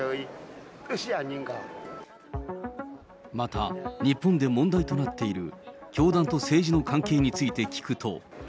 また日本で問題となっている教団と政治の関係について聞くと。